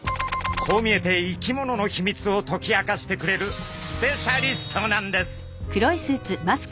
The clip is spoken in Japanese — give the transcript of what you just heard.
こう見えて生き物のヒミツを解き明かしてくれるスペシャリストなんです。